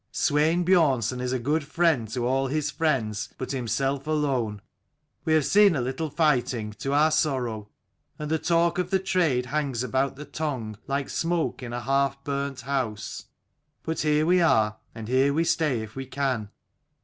Swein Biornson is a good friend to all his friends but himself alone. We have seen a little righting, to our sorrow: and the talk of the trade hangs about the tongue, like smoke in a half burnt house. But here we are, and here we stay if we can.